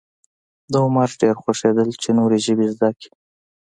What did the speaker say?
د عمر ډېر خوښېدل چې نورې ژبې زده کړي.